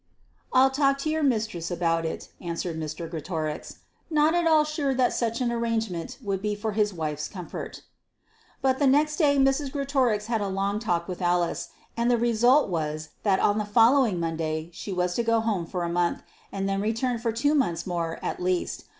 "I'll talk to your mistress about it," answered Mr. Greatorex, not at all sure that such an arrangement would be for his wife's comfort. But the next day Mrs. Greatorex had a long talk with Alice, and the result was that on the following Monday she was to go home for a month, and then return for two months more at least.